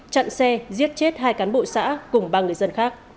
chặn xe giết chết hai cán bộ xã cùng ba người dân khác